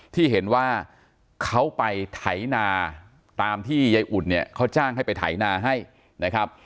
ที่เห็นว่าเขาไปไถนาตามที่ยายอุ่นเนี่ยเขาจ้างให้ไปไถนาให้นะครับ